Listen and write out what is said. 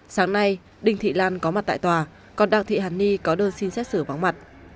sáng nay đinh thị lan có mặt tại tòa còn đào thị hàn ni có đơn xin xét xử vắng mặt